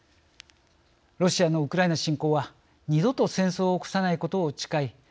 ロシアのウクライナ侵攻は二度と戦争を起こさないことを誓い